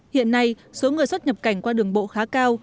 hiện nay số người xuất nhập cảnh qua đường bộ khá cao